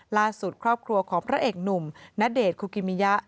ล่าสุดครอบครัวของพระเอกหนุ่มณเดชน์คุกิมิยะ